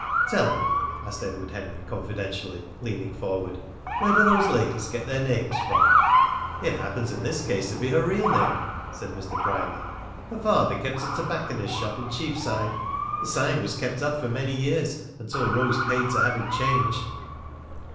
"Tell me," asked Edward Henry, confidentially, leaning forward, "where do those ladies get their names from?" "It happens in this case to be her real name," said Mr. Bryany. "Her father kept a tobacconists' shop in Cheapside. The sign was kept up for many years, until Rose paid to have it changed."